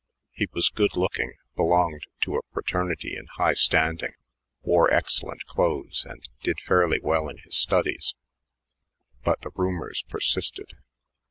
He was good looking, belonged to a fraternity in high standing, wore excellent clothes, and did fairly well in his studies; but the rumors persisted.